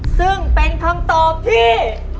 ซึ่งเป็นคำตอบที่